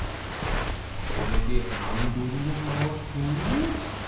これでハンドルをまわすと。